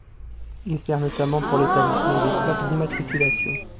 Il sert notamment pour l’établissement des plaques d'immatriculation.